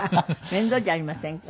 面倒じゃありませんか。